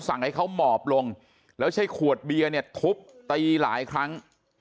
สั่งให้เขาหมอบลงแล้วใช้ขวดเบียร์เนี่ยทุบตีหลายครั้ง